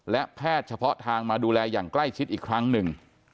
และแพทย์เฉพาะทางมาดูแลอย่างใกล้ชิดอีกครั้งหนึ่ง